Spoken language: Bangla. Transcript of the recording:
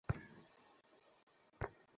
কামাঠিপুরার নাম লেগে গিয়েছিলো আমার উপর।